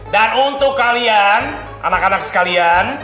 dan untuk kalian anak anak sekalian